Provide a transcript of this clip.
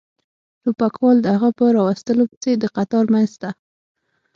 ټوپکوال د هغه په را وستلو پسې د قطار منځ ته.